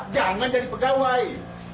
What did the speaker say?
jangan jadi pegawai